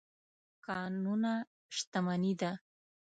کانونه شتمني ده.